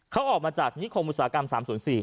เขาออกมาจากนิคมอุตสาหกรรม๓๐๔